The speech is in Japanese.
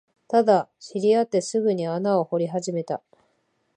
ただ、知り合ってすぐに穴を掘り始めた